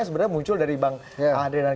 sebenarnya muncul dari bang andre dan